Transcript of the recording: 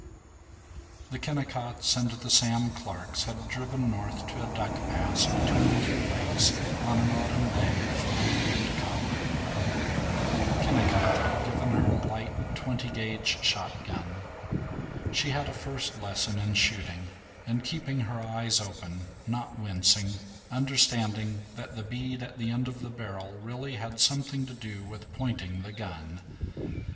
VII The Kennicotts and the Sam Clarks had driven north to a duck pass between two lakes, on an autumn day of blue and copper. Kennicott had given her a light twenty gauge shotgun. She had a first lesson in shooting, in keeping her eyes open, not wincing, understanding that the bead at the end of the barrel really had something to do with pointing the gun.